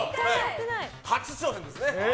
初挑戦ですね。